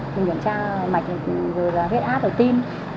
mình kiểm tra mạch vết áp tim